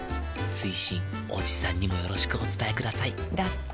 追伸おじさんにもよろしくお伝えくださいだって。